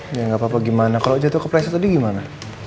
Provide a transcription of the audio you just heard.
ya gak apa apa gimana kalo jatuh ke presa tadi gimana